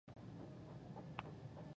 افغانستان په سیندونه باندې تکیه لري.